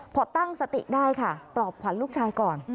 พอตั้งสติได้ค่ะปลอบขวัญลูกชายก่อน